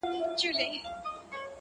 دا غرونه ، غرونه دي ولاړ وي داسي,